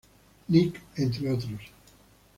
Nick", entre otros.